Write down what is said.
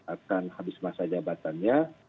akan habis masa jabatannya